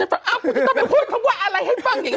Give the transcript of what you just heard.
อ้าวต้องไปพูดคำว่าอะไรให้ฟังเงี้ย